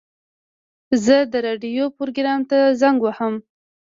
زه د راډیو پروګرام ته زنګ وهم.